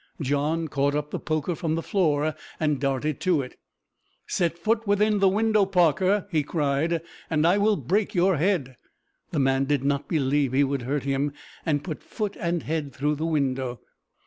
John caught up the poker from the floor, and darted to it. "Set foot within the window, Parker," he cried, "and I will break your head." The man did not believe he would hurt him, and put foot and head through the window.